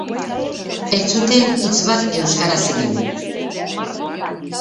Ez zuten hitz bat euskaraz egin.